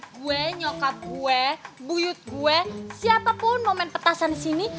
mau adik gue nyokap gue buyut gue siapapun mau main petasan di sini